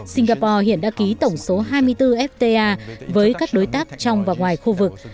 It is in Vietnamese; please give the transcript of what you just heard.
singapore hiện đã ký tổng số hai mươi bốn fta với các đối tác trong và ngoài khu vực